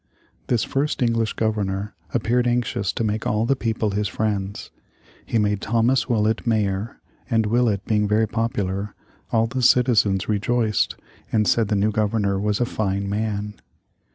This first English Governor appeared anxious to make all the people his friends. He made Thomas Willett Mayor, and Willett being very popular, all the citizens rejoiced, and said the new Governor was a fine man.